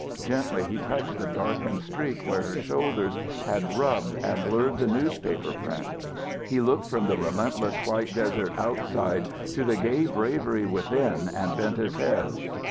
Gently he touched the darkened streak where her shoulders had rubbed and blurred the newspaper print. He looked from the relentless white desert outside to the gay bravery within and bent his head.